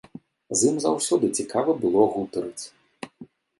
З ім заўсёды цікава было гутарыць.